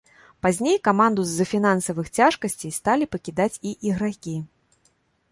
Пазней каманду з-за фінансавых цяжкасцей сталі пакідаць і ігракі.